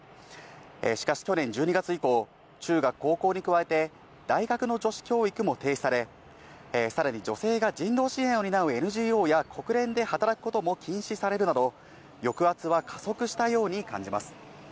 しかし去年１２月以降、中学、高校に加えて、大学の女子教育も停止され、さらに女性が人道支援を担うＮＧＯや国連で働くことも禁止されるなど、抑圧は加速したように感じます。